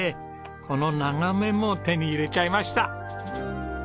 この眺めも手に入れちゃいました。